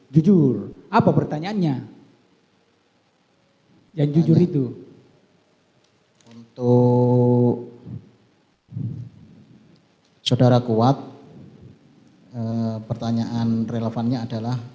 jujur apa pertanyaannya yang jujur itu untuk saudara kuat pertanyaan relevannya adalah